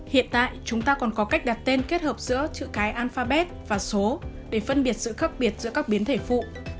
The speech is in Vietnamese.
hiện tại chúng ta còn có cách đặt tên kết hợp giữa chữ cái alphabet và số để phân biệt sự khác biệt giữa các biến thể phụ